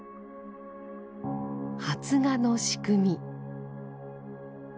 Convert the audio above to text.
発芽の仕組み。